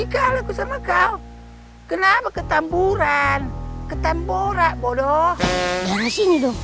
kenapa ketamburan ketamboran bodoh